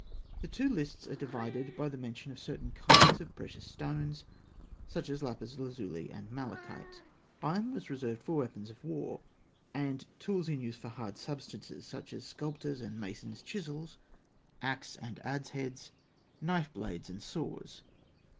The two lists are divided by the mention of certain kinds of precious stones, such as lapis lazuli and malachite. Iron was reserved for weapons of war, and tools, in use for hard substances, such as sculptors' and masons' chisels, axe and adze heads, knife blades, and saws.